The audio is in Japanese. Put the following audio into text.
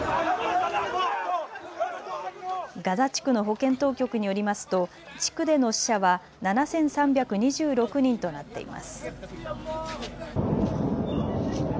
ガザ地区の保健当局によりますと地区での死者は７３２６人となっています。